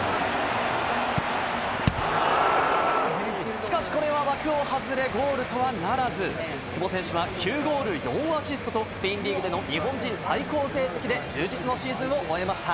しかしこれは枠を外れゴールとはならず、久保選手は９ゴール４アシストとスペインリーグでの日本人最高成績で、充実のシーズンを終えました。